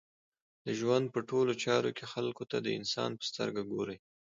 د ژوند په ټولو چارو کښي خلکو ته د انسان په سترګه ګورئ!